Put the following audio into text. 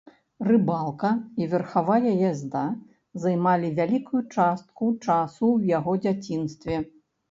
Рыбалка і верхавая язда займалі вялікую частку часу ў яго дзяцінстве.